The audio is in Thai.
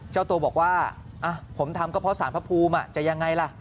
เจ้าตัวบอกว่าผมทำก็เพราะสารพระภูมิจะยังไงล่ะ